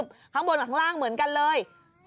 ข้างบนกับข้างล่างเหมือนกันเลย